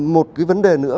một cái vấn đề nữa